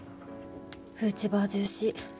フーチバージューシー。